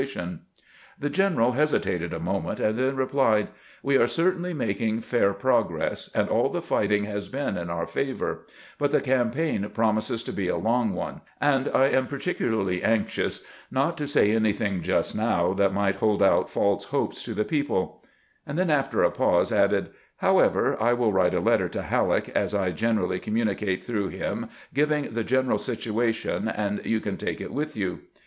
98 CAMPAIGNING "WITH GRANT The general hesitated a moment, and then replied : "We are certainly making fair progress, and all the fighting has been in onr favor ; but the campaign prom ises to be a long one, and I am particularly anxious not to say anything just now that might hold out false hopes to the people"; and then, after a pause, added, " However, I will write a letter to Halleck, as I gener ally communicate through him, giving the general situation, and you can take it with you."